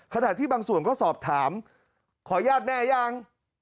ขนาดที่บางส่วนก็สอบถามขอยาดแม่หรือยัง